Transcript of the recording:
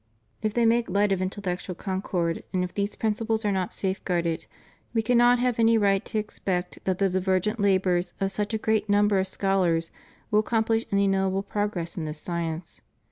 If they make light of intellectual concord, and if these principles are not safeguarded, we cannot have any right to expect that the divergent labors of such a great number of scholars will accomplish any notable progress in this science.